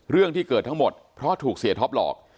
เรื่องที่เกิดทั้งหมดเพราะถูกเสียท็อปหลอก